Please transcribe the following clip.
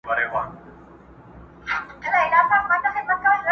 ږغېدی په څو څو ژبو د پېریانو!!